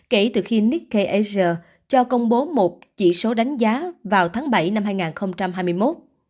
kể từ khi nikkei asia cho công bố một chỉ số đánh giá vào tháng bảy năm hai nghìn hai mươi một